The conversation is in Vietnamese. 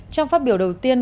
trong phát biểu đầu tiên